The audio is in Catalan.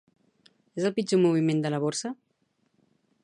És el pitjor moviment de la borsa?